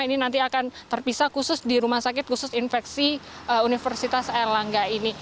ini nanti akan terpisah khusus di rumah sakit khusus infeksi universitas erlangga ini